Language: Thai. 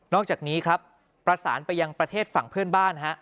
อกจากนี้ครับประสานไปยังประเทศฝั่งเพื่อนบ้านฮะ